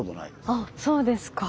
あそうですか。